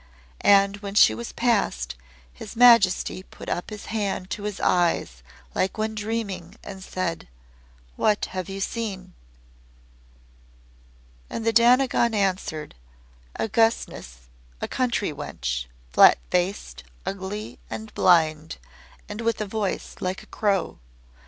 And when she was past, His Majesty put up his hand to his eyes, like one dreaming, and said; "What have you seen?" And the Dainagon answered; "Augustness, a country wench, flat faced, ugly and blind, and with a voice like a crow.